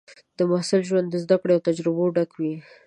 د محصل ژوند د زده کړو او تجربو ډک وي.